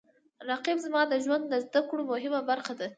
رقیب زما د ژوند د زده کړو مهمه برخه ده